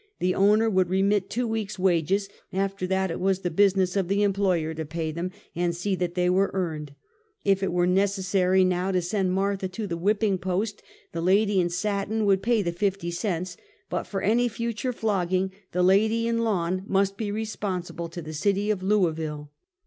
The owner would remit two week's wages; after that it was the business of the employer to pay them, and see that they were earned. If it were necessary now to send Martha to the whipping post, the lady in satin would pay the fifty cents; but for any future flogging, the lady in lawn must be responsible to the City of Louisville.